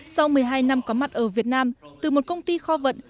sau một mươi hai năm có mặt ở việt nam từ một công ty kho vận